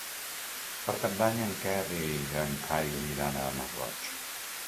Per Cap d'Any en Quer i en Cai iran al Masroig.